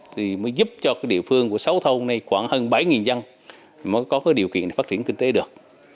thì mới giúp cho địa phương của sáu thôn này khoảng hơn bảy dân mới có điều kiện phát triển kinh tế được